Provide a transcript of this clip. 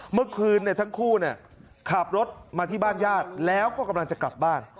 เมื่อคืนทั้งคู่ขับรถมาที่บ้านญาติแล้วก็กำลังจะกลับบ้าน